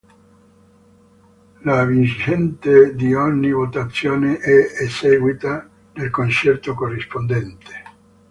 La vincente di ogni votazione è eseguita nel concerto corrispondente.